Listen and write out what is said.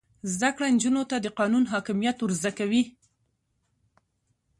زده کړه نجونو ته د قانون حاکمیت ور زده کوي.